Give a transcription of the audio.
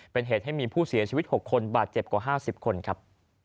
เป็นเหตุให้มีผู้เสียชีวิต๖คนบาดเจ็บกว่า๕๐คนครับ